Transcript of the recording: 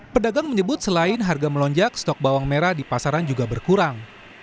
pedagang menyebut selain harga melonjak stok bawang merah di pasaran juga berkurang